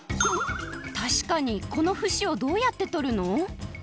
たしかにこのふしをどうやってとるの？